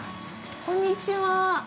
こんにちは。